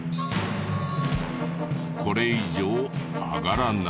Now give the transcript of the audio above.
これ以上上がらない。